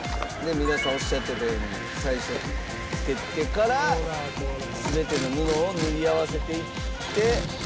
皆さんおっしゃってたように最初付けてから全ての布を縫い合わせていって。